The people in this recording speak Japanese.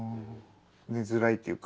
寝づらいっていうか。